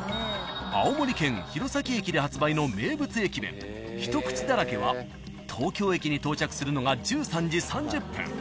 ［青森県弘前駅で発売の名物駅弁ひとくちだらけは東京駅に到着するのが１３時３０分］